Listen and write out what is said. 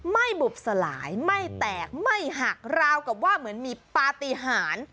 ไม่บุบสลายไม่แตกไม่หักราวกับว่าเหมือนมีปฏิหาร